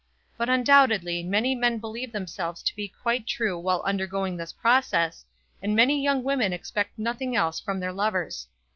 But undoubtedly many men believe themselves to be quite true while undergoing this process, and many young women expect nothing else from their lovers.